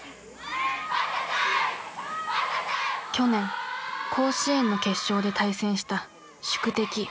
去年甲子園の決勝で対戦した宿敵